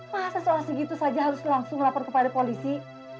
masa soal segitu saja harus langsung lapor kepada polisi